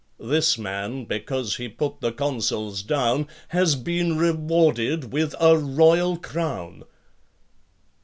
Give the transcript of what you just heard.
This man, because he put the consuls down, Has been rewarded with a royal crown.